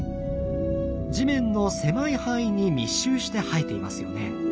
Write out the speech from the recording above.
地面の狭い範囲に密集して生えていますよね。